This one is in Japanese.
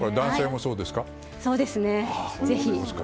そうですね、ぜひ。